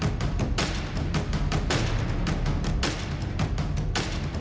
โดยนายสุเทพเทือกสุบัน